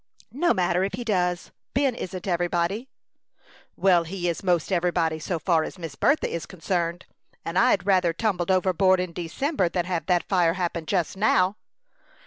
"No matter if he does; Ben isn't everybody." "Well, he is 'most everybody, so far as Miss Bertha is concerned; and I'd rather tumbled overboard in December than have that fire happen just now."